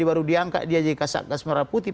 baru diangkat dia jadi kasat gas merah putih